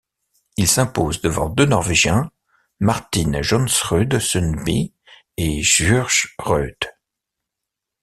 Il s'impose devant deux Norvégiens, Martin Johnsrud Sundby et Sjur Roethe.